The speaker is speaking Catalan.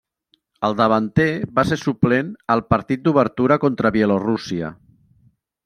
El davanter va ser suplent al partit d'obertura contra Bielorússia.